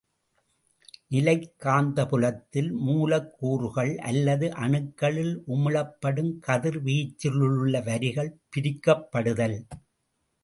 நிலைக் காந்தப்புலத்தில் மூலக்கூறுகள் அல்லது அணுக்களில் உமிழப்படும் கதிர்வீச்சிலுள்ள வரிகள் பிரிக்கப்படுதல்.